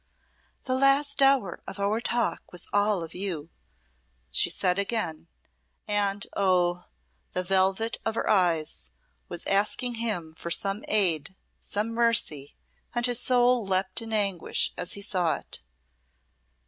"The last hour of our talk was all of you," she said again, and oh, the velvet of her eyes was asking him for some aid, some mercy; and his soul leaped in anguish as he saw it.